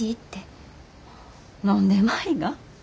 何で舞が？